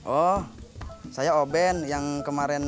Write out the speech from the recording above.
oh saya oben yang kemarin